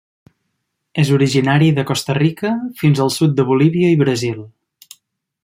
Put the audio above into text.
És originari de Costa Rica fins al sud de Bolívia i Brasil.